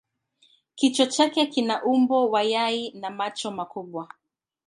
Kichwa chake kina umbo wa yai na macho makubwa.